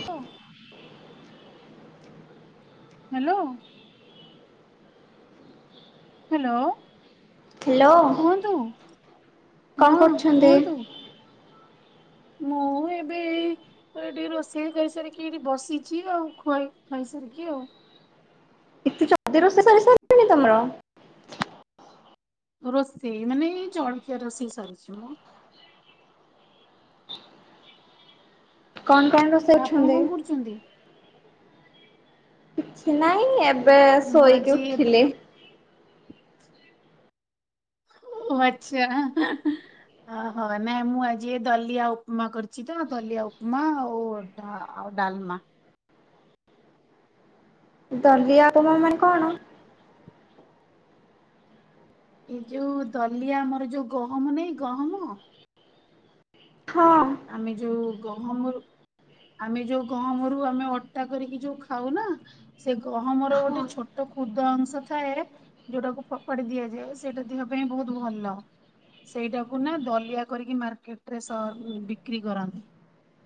[unintelligible] Hello. Hello hello କୁହନ୍ତୁ କଣ ହଁ କରୁଛନ୍ତି? କୁହନ୍ତୁ। ମୁଁ ଏବେ ଏଇ, ଏଠି ରୋଷେଇ କରିସାରିକି ଏଠି ବସିଚି ଆଉ ଖୁଆଇ ଖାଇ ସାରିକି ଆଉ। ଏତେ ଜଲଦି ରୋଷେଇ ସରି ସାରିଲାଣି ତମର? ରୋଷେଇ ମାନେ ଏଇ ଜଳଖିଆ ରୋଷେଇ ସରିଛି ମ। କଣ କଣ ର ନା ଆପଣ କଣ କରୁଛନ୍ତି? କିଛି ନାହିଁ ଏ ଏବେ ମୁଁ ଶୋଇକି ଆଜି ଏ ଦ ଉଠିଲେ। ଓ ଆଚ୍ଛା। ଓହୋ ନାଇଁ ମୁଁ ଆଜି ଦଲିଆ ଉପମା କରିଚି ତ ଦଲିଆ ଉପମା ଆଉ ଧ-ଆଉ ଡାଲ୍ମା। ଦଲିଆ ଉପମା ମାନେ କଣ? ଏଇ ଯଉ ଦଲିଆ ଆମର ଯଉ ଗହମ ନାଇଁ ଗହମ? ହଁ। ଆମେ ଯଉ ଗହମରୁ ଆମେ ଯଉ ଗହମରୁ ଆମେ ଅଟା କରିକି ଯଉ ଖାଉ ନା ସେ ଗହମର ହଁ ଗୋଟେ ଛୋଟ ଖୁଦ ଅଂଶ ଥାଏ ଯଉଟାକୁ ଫୋପାଡି ଦିଆଯାଏ ସେଇଟା ଦେହ ପାଇଁ ବହୁତ୍ ଭଲ। ସେଇଟାକୁ ନା ଦଲିଆ କରିକି ମାର୍କେଟ୍ ରେ ସର୍- ବିକ୍ରି କରନ୍ତି।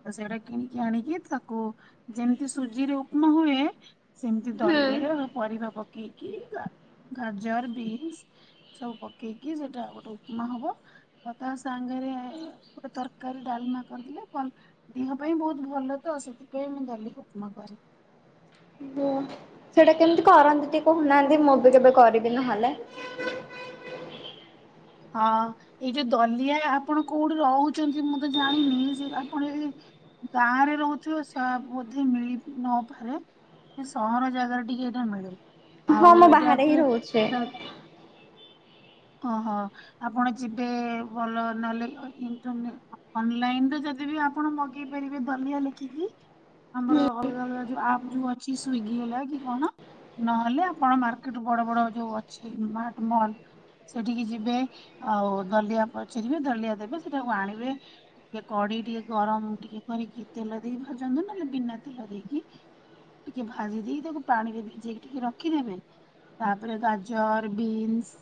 ତ ସେଇଟା କିଣିକି ଆଣିକି ତାକୁ ଯେମିତି ସୁଜି ରେ ଉପମା ହୁଏ ସେମିତି ଦଲିଆରେ ପରିବା ପକେଇକି ଗା- ଗାଜର୍, ବିନ୍ସ୍ ସବୁ ପକେଇକି ସେଇଟା ଗୋଟେ ଉପମା ହବ ଆଉ ତା ସାଙ୍ଗେରେ ଗୋଟେ ତରକାରୀ ଡାଲ୍ମା କରିଦେଲେ ଭଲ- ଦେହ ପାଇଁ ବହୁତ୍ ଭଲ ତ ସେଥିପାଇଁ ମୁଁ ଦଲିଆ କୁ ଉପମା କରେ। [unintelligible] ସେଇଟା କେମିତି କରନ୍ତି ଟିକେ କହୁନାହାନ୍ତି ମୁଁ ବି କେବେ କରିବି ନହେଲେ? ହଁ ଏଇ ଯଉ ଦଲିଆ ଆପଣ କଉଠି ରହୁଚନ୍ତି ମୁଁ ତ ଜାଣିନି ସେ ଆପଣ ଏଇ ଗାଁ ରେ ରହୁଥିବ ସ- ବୋଧେ ମିଳି ନପାରେ। ସେ ସହର ଜାଗାରେ ଟିକେ ଏଇଟା ମିଳେ ହଁ ଆଉ ମୁଁ ଏଇଟା ବାହାରେ ହିଁ [unintelligible] ରହୁଛି। ଏଟା ଓହୋ ଆପଣ ଯିବେ ଭଲ ନହେଲେ ଇ-ଇଣ୍ଟରନେ ଅନଲାଇନ୍ ରେ ଯଦି ବି ଆପଣ ମଗେଇ ପାରିବେ ଦଲିଆ ଲେଖିକି। ଆମର ଅଲଗା ଅଲଗା ଯଉ ଆପ୍ ଯଉ ଅଛି ସ୍ଵିଗି ହେଲା କି କଣ ନହେଲେ ଆପଣ ମାର୍କେଟ୍ ବଡ ବଡ ଯଉ ଅଛି ମାର୍ଟ ମଲ୍ ସେଠିକି ଯିବେ ଆଉ ଦଲିଆ ପଚାରିବେ ଦଲିଆ ଦେବେ ସେଟାକୁ ଆଣିବେ ଟିକେ କଡେଇ ଟିକେ ଗରମ୍ ଟିକେ କରିକି ତେଲ ଦେଇ ଭାଜନ୍ତୁ ନହେଲେ ବିନା ତେଲ ଦେଇକି ଟିକେ ଭାଜି ଦେଇ ତାକୁ ପାଣି ରେ ଭିଜେଇକି ଟିକେ ରଖିଦେବେ ତାପରେ ଗାଜର୍, ବିନ୍ସ୍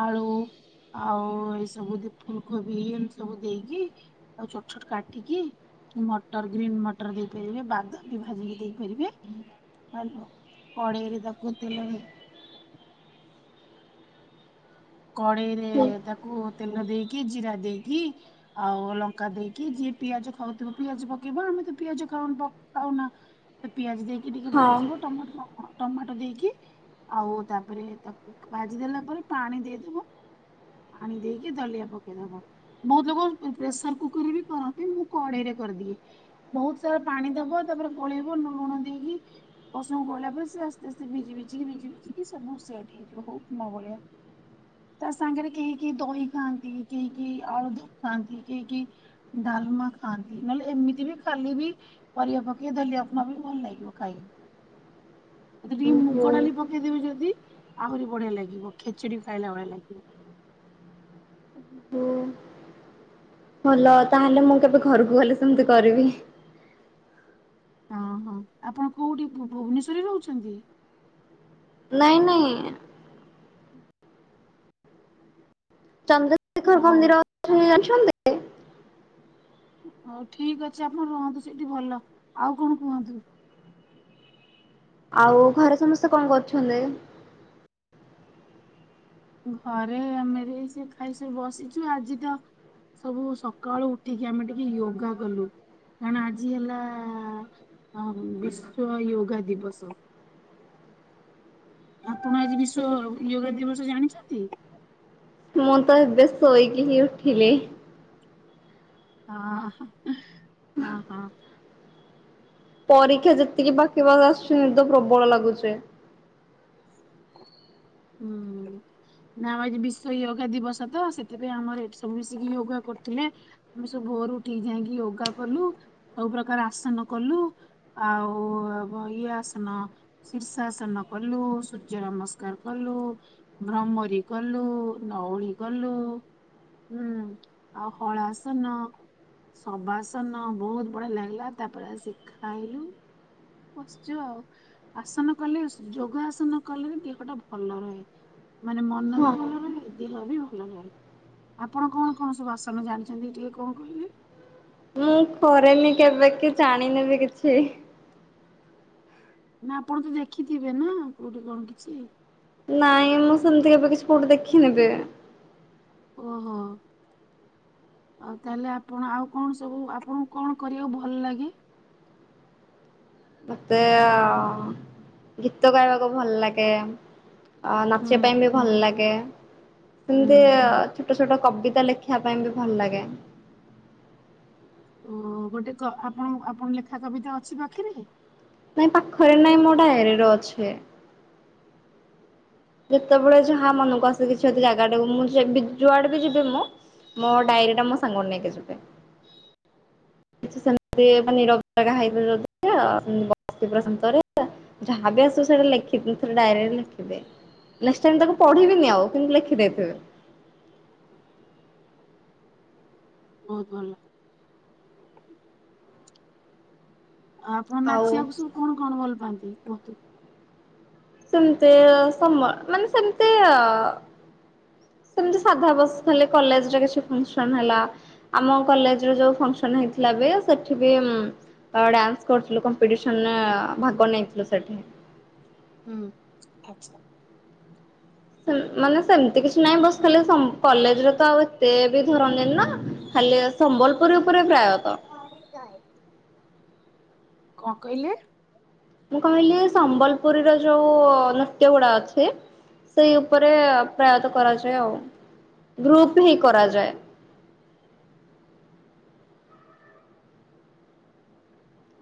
ଆଳୁ ଆଉ ଏ ସବୁ ଦି- ଫୁଲକୋବି ଏମିତି ସବୁ ଦେଇକି ତାକୁ ଛୋଟ୍ ଛୋଟ୍ କାଟିକି ମଟର ଗ୍ରୀନ୍ ମଟର ଦେଇପାରିବେ ବାଦାମ୍ ବି ଭାଜିକି ଦେଇପାରିବେ -ହାଲୋ। କଡେଇରେ ତାକୁ ତେଲ ଦେଇ କଡେଇରେ ତାକୁ ତେଲ ଦେଇକି ଜିରା ଦେଇକି ଆଉ ଲଙ୍କା ଦେଇକି ଯିଏ ପିଆଜ ଖାଉଥିବ ପିଆଜ ପକେଇବ ଆମେ ତ ପିଆଜ ଖାଉନୁ‌ ପ ଖାଉ ନା ସେ ପିଆଜ ଦେଇକି ଟିକେ ହଁ ଭାଜିବ ଟମାଟୋ ଟମାଟୋ ଦେଇକି ଆଉ ତାପରେ ତାକୁ ଭାଜିଦେଲା ପରେ ପାଣି ଦେଇ ପାଣି ଦେଇକି ଦଲିଆ ପକେଇଦବ। ବହୁତ୍ ଲୋକ ପ୍ରେସର୍ କୁକର୍ ବି କରନ୍ତି ମୁଁ କଡେଇରେ କରିଦିଏ। ବହୁତ୍ ସାରା ପାଣି ଦବ ତାପରେ ଗୋଳେଇବ ଲୁଣ ଦେଇକି [unintelligible] ପରେ ସେ ଆସ୍ତେ ଆସ୍ତେ ଭିଜି ଭିଜିକି- ଭିଜି ଭିଜିକି ସବୁ ସେଟ୍ ହେଇଯିବ ବହୁତ୍ ମୋ ଭଳିଆ। ତା ସାଙ୍ଗରେ କେହି କେହି ଦହି ଖାଆନ୍ତି କେହି କେହି ଆଳୁଦମ୍ ଖାଆନ୍ତି କେହି କେହି ଡାଲ୍ମା ଖାଆନ୍ତି ନହେଲେ ଏମିତି ବି ଖାଲି ବି ପରିବା ପକେଇ ଦଲିଆ ଉପମା ବି ଭଲ ଲାଗିବ ଖାଇ [inaudible] ସେଥେରେ ଟିକେ ଓହୋ ମୁଗ ଡାଲି ପକେଇଦେବି ଯଦି ଆହୁରି ବଢିଆ ଲାଗିବ ଖେଚିଡି ଖାଇଲା ଭଳିଆ ଲାଗିବ। ହୋ ଭଲ ତାହେଲେ ମୁଁ କେବେ ଘରକୁ ଗଲେ ସେମିତି କରିବି ହଁ ହଁ ଆପଣ କୋଉଠି ଭୁ ଭୁବନେଶ୍ଵରରେ ରହୁଛନ୍ତି? ନାଇଁ ନାଇଁ ଚନ୍ଦ୍ରଶେଖର [inaudible] ହଉ ମନ୍ଦିର ଅଛନ୍ତି ଜାଣିଛନ୍ତି ହଉ ଠିକ ଅଛି ଆପଣ ରୁହନ୍ତୁ ସେଇଠି ଭଲ ଆଉ କଣ କୁହନ୍ତୁ? ଆଉ ଘରେ ସମସ୍ତେ କଣ କରୁଛ ଛନ୍ଦି ଘରେ ଆମେ [unintelligible] ଖାଇସାରି ବସିଛୁ ଆଜି ତ ସବୁ ସକାଳୁ ଉଠିକି ଆମେ ଟିକେ ୟୋଗା କଲୁ କାଇନା ଆଜି ହେଲା ବିଶ୍ବ ୟୋଗା ଦିବସ। ଆପଣ ଆଜି ବିଶ୍ଵ ୟୋଗା ଦିବସ ଜାଣିଛନ୍ତି? ମୁଁ ତ ଏବେ ଶୋଇକି ହିଁ ଉଠିଲି। ହଁ ହଁ ହଁ ପରୀକ୍ଷା ଯେତିକି ପାଖେ [unintelligible] ଆସୁଛି ନିଦ ପ୍ରବଳ ଲାଗୁଛି ହୁଁ ନା ଆଜି ବିଶ୍ବ ୟୋଗା ଦିବସ ତ ସେଥିପାଇଁ ଆମର ଏଠି ସବୁ ମିଶିକି ୟୋଗା କରୁଥିଲେ। ଆମେ ସବୁ ଭୋରୁ ଠିକ ଯାଇକି ୟୋଗା କଲୁ ସବୁ ପ୍ରକାର ଆସନ କଲୁ। ଆଉ [unintelligible] ଆସନ ଶୀର୍ଷାସନ କଲୁ ସୂର୍ଯ୍ୟ ନମସ୍କାର କଲୁ ବ୍ରହମରି କଲୁ ନଉଳି କଲୁ ହୁଁ ଆଉ ହଳାସନ ସବାସନ ବହୁତ ବଢିଆ ଲାଗିଲା ତାପରେ ଆସି କି ଖାଇଲୁ ବସଚୁ ଆଉ ଆସନ କଲେ ଯୋଗ ଆସନ କଲେ ଦେହ ଟା ଭଲ ରହେ। ମାନେ ମନ ବି ହଁ। ଭଲ ରହେ ଦେହ ବି ଭଲ ରହେ। ଆପଣ କଣ କଣ ସବୁ ଆସନ ଜାଣିଛନ୍ତି ଟିକେ କଣ କହିଲେ ମୁଁ କରେନି କେବେ କି ଜାଣିନିବି କିଛି ନା ଆପଣ ତ ଦେଖିଥିବେ ନା କୋଉଠି କଣ କିଛି ନାଇଁ ମୁଁ ସେମିତି ଏବେ କିଛି କୋଉଠି ଦେଖିନିବି ଓହୋ ଆଉ ତାହେଲେ ଆପଣ ଆଉ କଣ ସବୁ ଆପଣଙ୍କୁ କଣ କରିବାକୁ ଭଲ ଲାଗେ? ମୋତେ ଅ ଗୀତ ଗାଇବାକୁ ଭଲ ଲାଗେ। ଅ ହୁଁ ନାଚିବା ପାଇଁ ବି ଭଲ ଲାଗେ ହୁଁ ସେମିତି ଅ ଟ ଛୋଟ କବିତା ଲେଖିବା ପାଇଁ ବି ଭଲ ଲାଗେ ଉଁ ଗୋଟେ କ ଆପଣ ଆପଣ ଲେଖା କବିତା ଅଛି ପାଖରେ? ନାଇଁ ପାଖରେ ନାଇଁ ମୋ ଡାଏରୀରେ ଅଛି ଯେତେବେଳେ ଯାହା ମନକୁ ଆସେ କିଛି ଯଦି ଜାଗାଟାକୁ ମୁଁ ଯେବେ ଯୁଆଡେ ବି ଯିବି ମୁଁ ମୋ ଡାଏରିଟା ମୋ ସାଙ୍ଗରେ ନେଇକି ଯିବି କିଛି ସେମିତି [inaudible] ଯାହାବି ଆସେ ସେଇଟା ଲେଖିକି ଥରେ ଡାଏରୀ ରେ ଲେଖିବେ ଲାଷ୍ଟ୍ ଟାଇମ ତାକୁ ପଢିବିନି ଆଉ କିନ୍ତୁ ଲେଖିଦେବି ବହୁତ ଭଲ ଆପଣ ଆଉ ନାଚିବାକୁ ସବୁ କଣ କଣ ଭଲ ପାଆନ୍ତି କୁହନ୍ତୁ ସେମିତି ସମ ମାନେ ସେମିତି ଅଉ ସେମିତି ସାଧା ବାସ ଖାଲି କଲେଜରେ କିଛି ଫଙ୍କସନ ହେଲା ଆମ କଲେଜ ର ଯୋଉ ଫଙ୍କସନ ହେଇଥିଲା ବି ସେଠି ବି ଡ୍ୟାନ୍ସ କରୁଥିଲୁ କମ୍ପିଟିସନରେ ଭାଗ ନେଇଥିଲୁ ସେଠି ହୁଁ ଆଚ୍ଛା। ମାନେ ସେମିତି କିଛି ନାହିଁ ବସିଥିଲି ସ କଲେଜରେ ତ ଆଉ ଏତେ ବି ଧରନ୍ତିନି ନା। ଖାଲି ସମ୍ବଲପୁରୀ ଉପରେ ପ୍ରାୟତ। କଣ କହିଲେ? ମୁଁ କହିଲି ସମ୍ବଲପୁରୀର ଯୋଉ ନୃତ୍ୟ ଗୁଡା ଅଛି। ସେଇ ଉପରେ ପ୍ରାୟତଃ କରାଯାଏ ଆଉ, ଗ୍ରୁପ ହିଁ କରାଯାଏ।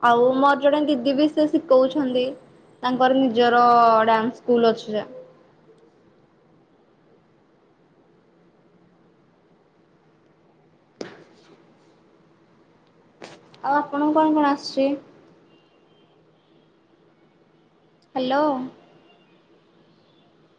ଆଉ ମୋର ଜଣେ ଦିଦି ବି ସେ ଶିଖଉଛନ୍ତି। ତାଙ୍କର ନିଜର ଡ୍ୟାନ୍ସ ସ୍କୁଲ ଅଛି ଯା। ଆଉ ଆପଣଙ୍କୁ କଣ କଣ ଆସୁଛି? ହ୍ୟାଲୋ।